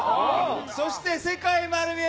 そして世界まる見え！